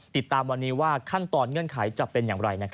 ติดตามวันนี้ว่าขั้นตอนเงื่อนไขจะเป็นอย่างไร